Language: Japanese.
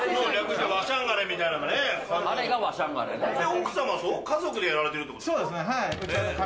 奥様と家族でやられてるってことですか。